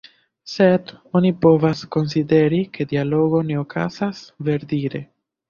Sed, oni povas konsideri ke dialogo ne okazas, verdire.